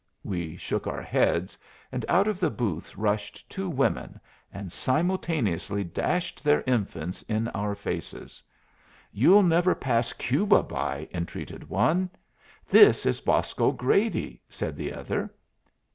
We shook our heads, and out of the booths rushed two women, and simultaneously dashed their infants in our faces. "You'll never pass Cuba by!" entreated one. "This is Bosco Grady," said the other.